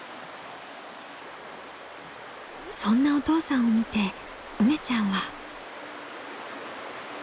そんなお父さんを見てうめちゃんは。